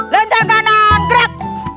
lencang kanan gerak